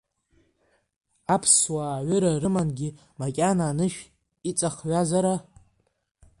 Аԥсуаа аҩыра рымангьы, макьана анышә иҵахҩазар?